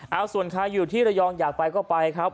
เอาส่วนใครอยู่ที่ระยองอยากไปก็ไปครับ